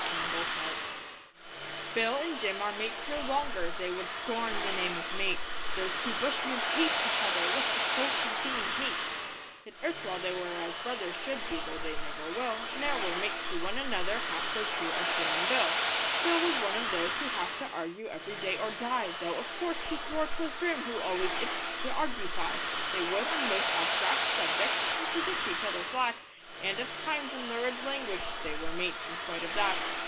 BILL AND JIM FALL OUT Bill and Jim are mates no longer they would scorn the name of mate Those two bushmen hate each other with a soul consuming hate; Yet erstwhile they were as brothers should be (tho' they never will): Ne'er were mates to one another half so true as Jim and Bill. Bill was one of those who have to argue every day or die Though, of course, he swore 'twas Jim who always itched to argufy. They would, on most abstract subjects, contradict each other flat And at times in lurid language they were mates in spite of that.